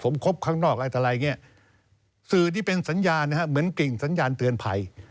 สมคบข้างนอกอะไรแบบนี้สื่อที่เป็นสัญญาณเหมือนกลิ่นสัญญาณเตือนภัย